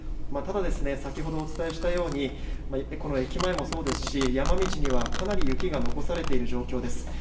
ただ、先ほどお伝えしたようにこの駅前もそうですし山道にはかなり雪が残されている状況です。